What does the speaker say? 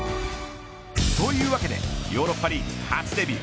というわけでヨーロッパリーグ初デビュー